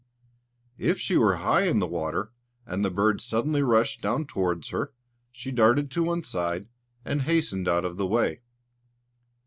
If she were high in the water, and the bird suddenly rushed down towards her, she darted to one side and hastened out of the way.